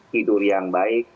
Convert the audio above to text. tidur yang baik